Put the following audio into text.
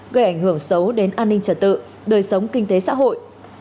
gây ảnh hưởng xấu đến an ninh trật tự đời sống kinh tế xã hội